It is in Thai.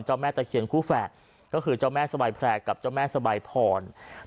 เจ้าแม่ตาเขียนครูแฝดคือเจ้าแม่สะบายแผลกับเจ้าแม่สะบายพร